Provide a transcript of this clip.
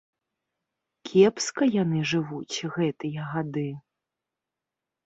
Кепска яны жывуць гэтыя гады.